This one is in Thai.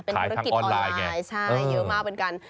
เป็นธุรกิจออนไลน์ใช่เยอะมากเป็นการ